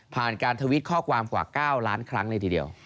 ผ่านการทวิตข้อความกว่า๙ล้านครั้งเลยทีเดียว